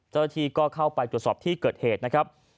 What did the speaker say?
เจ้าที่ก็เข้าไปจุดสอบที่เกิดเหตุนะครับ